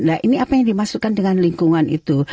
nah ini apa yang dimasukkan dengan lingkungan itu